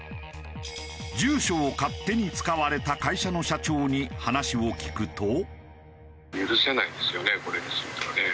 住所を勝手に使われた会社の社長に話を聞くと。